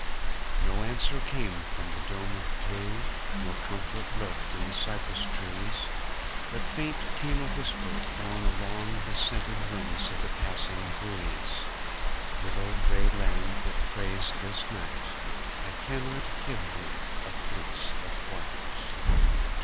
"No answer came from the dome of blue, nor comfort lurked in the cypress trees; But faint came a whisper borne along on the scented wings of the passing breeze:"Little gray lamb that prays this night,I cannot give thee a fleece of white."